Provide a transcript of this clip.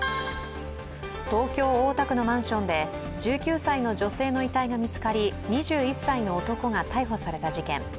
東京・大田区のマンションで１９歳の女性の遺体が見つかり、２１歳の男が逮捕された事件。